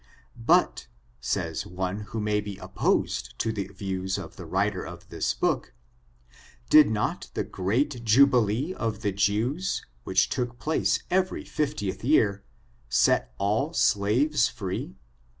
But, says one who may be opposed to the views of the writer of this book, did not the great jubilee of the Jews, which took place every fiftieth year, set all slaves free?